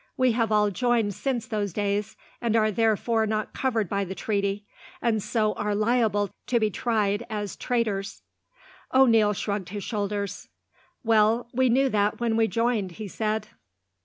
We have all joined since those days, and are therefore not covered by the treaty, and so are liable to be tried as traitors." O'Neil shrugged his shoulders. "Well, we knew that when we joined," he said.